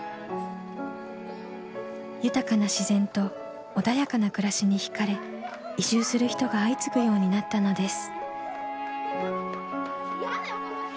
豊かな自然と穏やかな暮らしにひかれ移住する人が相次ぐようになったのです。